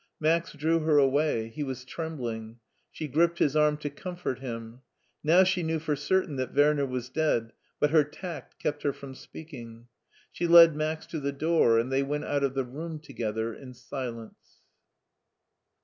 Max drew her away ; he was trem bling. She gripped his arm to comfort him. Now she knew for certain that Werner was dead, but her tact kept her from speaking. She led Max to the door and they went out of the room together in silence.